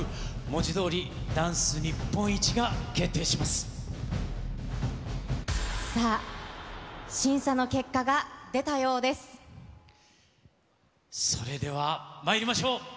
文字どおり、ダンス日本一が決定さあ、審査の結果が出たようそれではまいりましょう。